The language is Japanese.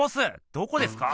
どこですか？